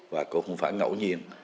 và cũng không phải ngẫu nhiên